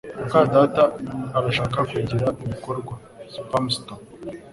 muka data arashaka kwegera ibikorwa. (Spamster)